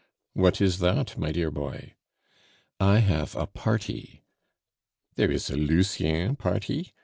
"What is that, my dear boy?" "I have a party." "There is a Lucien party?"